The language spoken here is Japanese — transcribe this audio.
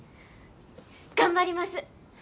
頑張ります。